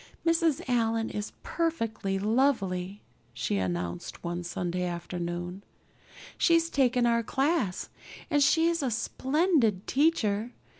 "Mrs. Allan is perfectly lovely," she announced one Sunday afternoon. "She's taken our class and she's a splendid teacher.